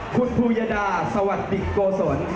คุณผูญดาสวัสดิกส์โกศล